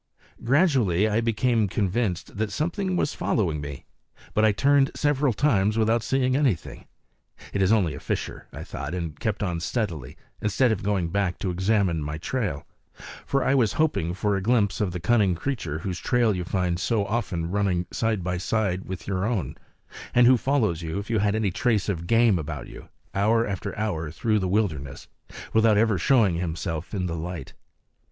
Gradually I became convinced that something was following me; but I turned several times without seeing anything. "It is only a fisher," I thought, and kept on steadily, instead of going back to examine my trail; for I was hoping for a glimpse of the cunning creature whose trail you find so often running side by side with your own, and who follows you if you have any trace of game about you, hour after hour through the wilderness, without ever showing himself in the light.